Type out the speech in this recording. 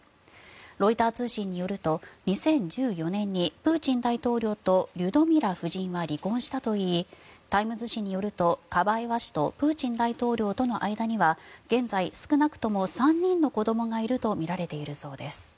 ロイター通信によると２０１４年にプーチン大統領とリュドミラ夫人は離婚したといいタイムズ紙によるとカバエワ氏とプーチン大統領との間には現在、少なくとも３人の子どもがいるとみられているそうです。